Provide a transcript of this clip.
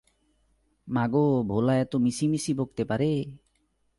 মাগো, ভোলা এত মিছিমিছি বকতে পারে!